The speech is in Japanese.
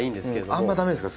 あんま駄目ですか？